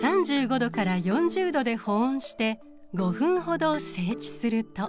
℃から４０℃で保温して５分ほど静置すると。